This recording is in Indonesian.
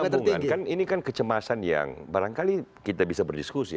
hubungan kan ini kan kecemasan yang barangkali kita bisa berdiskusi